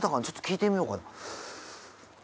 ちょっと聞いてみようかな。